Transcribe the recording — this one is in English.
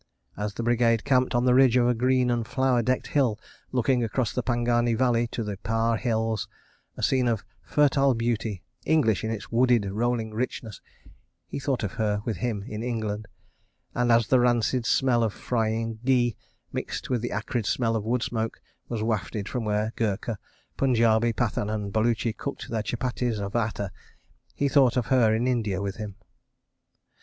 As the Brigade camped on the ridge of a green and flower decked hill looking across the Pangani Valley, to the Pare Hills, a scene of fertile beauty, English in its wooded rolling richness, he thought of her with him in England; and as the rancid smell of a frying ghee, mingled with the acrid smell of wood smoke, was wafted from where Gurkha, Punjabi, Pathan and Baluchi cooked their chapattis of atta, he thought of her in India with him.